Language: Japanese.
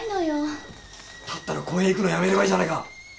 だったら公園行くのやめればいいじゃないか！